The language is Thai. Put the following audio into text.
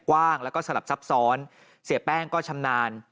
กว้างแล้วก็สลับซับซ้อนเสียแป้งก็ชำนาญ